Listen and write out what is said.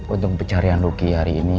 untuk pencarian rugi hari ini